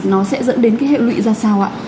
nó sẽ dẫn đến cái hệ lụy ra sao ạ